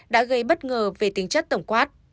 đã gây bất ngờ về tính chất tổng quát